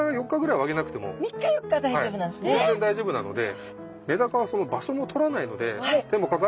全然大丈夫なので。